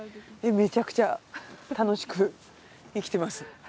めちゃくちゃ楽しく生きてます。